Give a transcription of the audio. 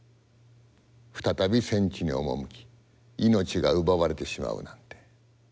再び戦地に赴き命が奪われてしまうなんて。